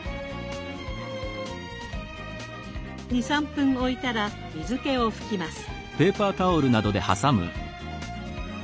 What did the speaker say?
２３分おいたら水けを拭きます。